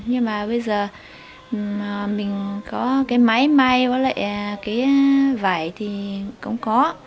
nhưng mà bây giờ mình có cái máy may với lại cái vải thì cũng có